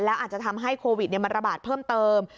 แล้วอาจจะทำให้โควิดมันระบาดเพิ่มเติม